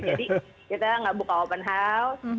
jadi kita enggak buka open house